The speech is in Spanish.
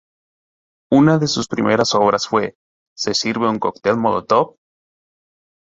Una de sus primeras obras fue "¿Se sirve un cocktail molotov?